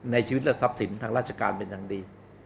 ในชีวิตและทรัพย์สินทางราชการเป็นอย่างดี